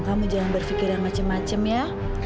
kamu jangan berpikiran macem macem ya